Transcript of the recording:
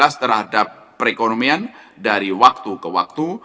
covid sembilan belas terhadap perekonomian dari waktu ke waktu